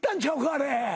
あれ。